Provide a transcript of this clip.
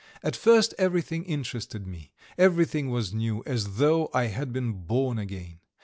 At first everything interested me, everything was new, as though I had been born again.